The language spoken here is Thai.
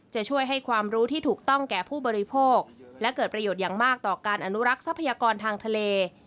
จะช่วยให้ความรู้ที่ถูกต้องแก่ผู้บริโภคและเกิดประโยชน์อย่างมากต่อการอนุรักษ์ทรัพยากรทางทะเล